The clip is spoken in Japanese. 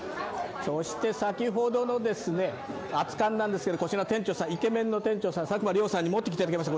そして先ほどの熱かんなんですけど、こちら、イケメンの店長さん、サクマさんに持ってきていただきました。